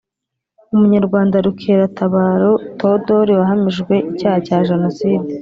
Umunyarwanda Rukeratabaro Th odore wahamijwe icyaha cya Jenoside